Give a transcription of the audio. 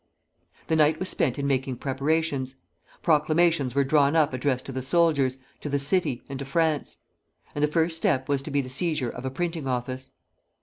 The night was spent in making preparations. Proclamations were drawn up addressed to the soldiers, to the city, and to France; and the first step was to be the seizure of a printing office.